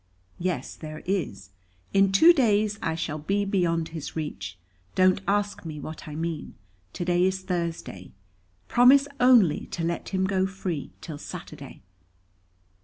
"Yes there is. In two days I shall be beyond his reach. Don't ask me what I mean. To day is Thursday. Promise only to let him go free till Saturday."